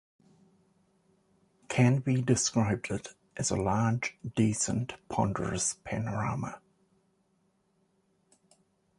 Canby described it as "a large, decent, ponderous panorama".